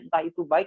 entah itu baik